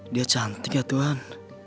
dia cantik ya tuhan